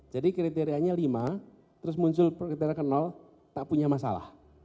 jadi kriterianya lima terus muncul kriteria ke tak punya masalah